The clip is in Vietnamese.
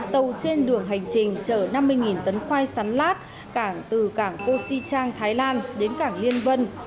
tàu trên đường hành trình chở năm mươi tấn khoai sắn lát từ cảng cô si trang thái lan đến cảng liên vân